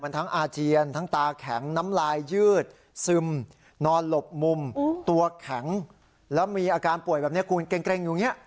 ทั้งอาเจียนทั้งตาแข็งน้ำลายยืดซึมนอนหลบมุมตัวแข็งแล้วมีอาการป่วยแบบนี้คุณเกร็งอยู่อย่างนี้